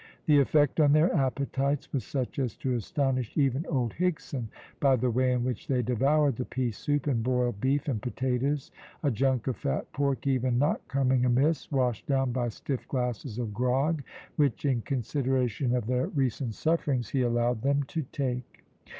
The effect on their appetites was such as to astonish even old Higson by the way in which they devoured the pea soup and boiled beef and potatoes, a junk of fat pork even not coming amiss, washed down by stiff glasses of grog, which, in consideration of their recent sufferings, he allowed them to take.